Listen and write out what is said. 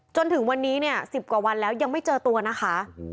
จนถึงวันนี้เนี่ย๑๐กว่าวันแล้วยังไม่เจอตัวนะคะ